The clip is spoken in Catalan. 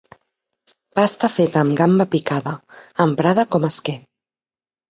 Pasta feta amb gamba picada, emprada com a esquer.